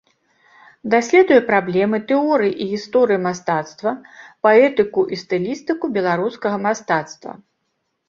Даследуе праблемы тэорыі і гісторыі мастацтва, паэтыку і стылістыку беларускага мастацтва.